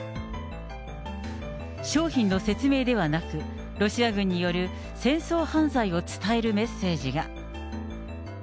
商品の説明ではなく、ロシア軍による戦争犯罪を伝えるメッセージが。